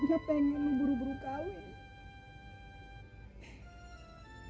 dia pengen buru buru kawin